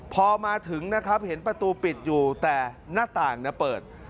พอมาถึงนะครับเห็นประตูปิดอยู่แต่หน้าต่างเปิด